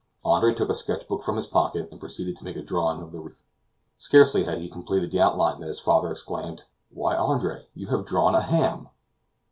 Andre took a sketch book from his pocket, and proceeded to make a drawing of the reef. Scarcely had he completed the outline when his father exclaimed: "Why, Andre, you have drawn a ham!"